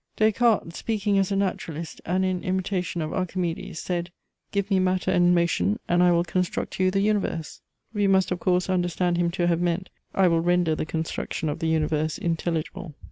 Des Cartes, speaking as a naturalist, and in imitation of Archimedes, said, give me matter and motion and I will construct you the universe. We must of course understand him to have meant; I will render the construction of the universe intelligible.